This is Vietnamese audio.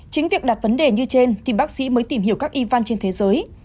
chính việc đặt vấn đề như trên thì bác sĩ mới tìm hiểu các y văn trên thế giới